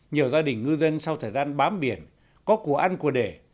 nhiều gia đình ngư dân sau thời gian bám biển có của ăn của để